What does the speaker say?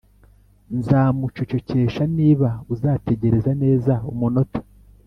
'nzamucecekesha niba uzategereza neza umunota.'